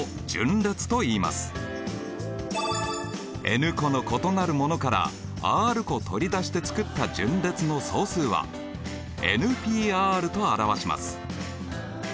ｎ個の異なるものからｒ個取り出して作った順列の総数はＰと表します。